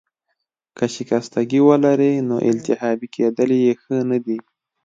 که شکستګي ولرې، نو التهابي کیدل يې ښه نه دي.